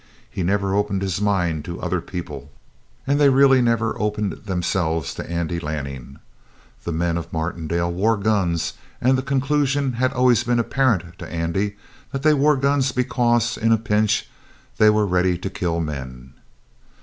He never opened his mind to other people, and they really never opened themselves to Andy Lanning. The men of Martindale wore guns, and the conclusion had always been apparent to Andy that they wore guns because, in a pinch, they were ready to kill men.